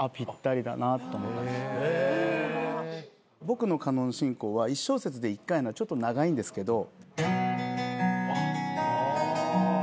僕のカノン進行は１小節で１回ちょっと長いんですけど。